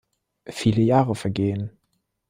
Viele Jahre vergehen.